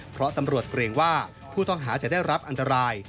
เพราะตำรวจเกรงว่าผู้ต้องหาจะได้รับอันตราย